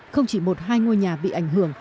không chỉ một hai ngôi nhà bị ảnh hưởng